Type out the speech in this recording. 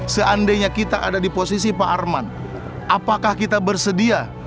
seandainya kita ada di posisi pak arman apakah kita bersedia